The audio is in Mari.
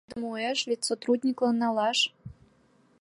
Ала тудым уэш литсотрудниклан налаш?